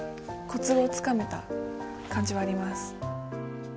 コツをつかめた感じはあります。